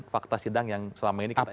fakta sidang yang selama ini kita